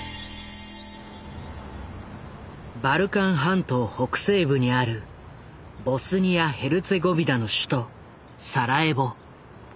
バルカン半島北西部にあるボスニア・ヘルツェゴビナの首都サラエボ。